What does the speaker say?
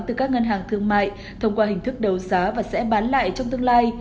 từ các ngân hàng thương mại thông qua hình thức đầu giá và sẽ bán lại trong tương lai